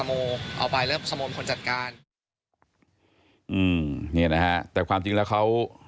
อืมนี่นะฮะแต่ความจริงแล้วเขา